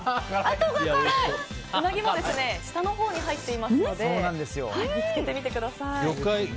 ウナギも下のほうに入っていますので見つけてみてください。